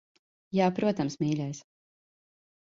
Jā, protams, mīļais.